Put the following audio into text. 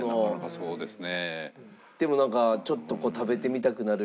そうですね。